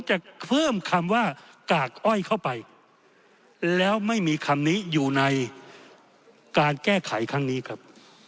จะเพิ่มคำว่ากากอ้อยเข้าไปแล้วไม่มีคำนี้อยู่ในการแก้ไขครั้งนี้ครับ